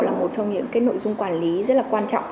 là một trong những cái nội dung quản lý rất là quan trọng